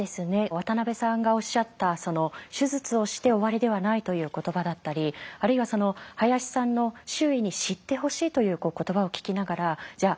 渡辺さんがおっしゃった「手術をして終わりではない」という言葉だったりあるいは林さんの「周囲に知ってほしい」という言葉を聞きながらじゃあ